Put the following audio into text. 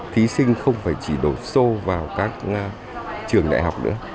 thí sinh không phải chỉ đổ xô vào các trường đại học nữa